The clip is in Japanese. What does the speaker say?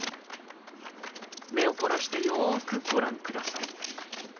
目を凝らしてよくご覧下さい。